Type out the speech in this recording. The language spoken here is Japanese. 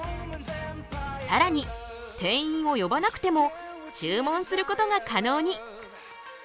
さらに店員を呼ばなくても注文することが可能に！